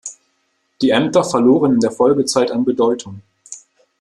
Die Ämter verloren in der Folgezeit an Bedeutung.